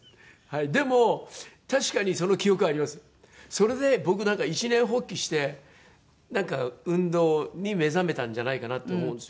それで僕一念発起して運動に目覚めたんじゃないかなって思うんです。